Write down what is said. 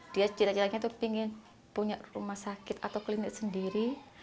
dia jelek jeleknya itu ingin punya rumah sakit atau klinik sendiri